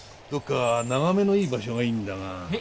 どこか眺めのいい場所がいいんだが。